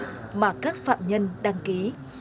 học các phạm nhân đăng ký